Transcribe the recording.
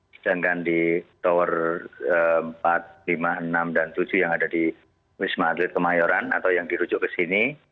sedangkan di tower empat lima enam dan tujuh yang ada di wisma atlet kemayoran atau yang dirujuk ke sini